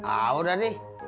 ah udah deh